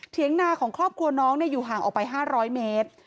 นาของครอบครัวน้องอยู่ห่างออกไป๕๐๐เมตร